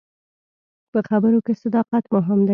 په خبرو کې صداقت مهم دی.